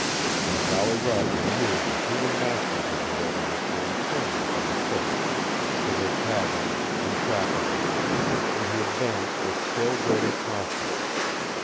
And Jolly Roger knew the human masters of the wilderness were returning from the Posts to their cabins and trap lines, and he advanced with still greater caution.